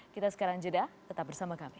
kita sekarang jeda tetap bersama kami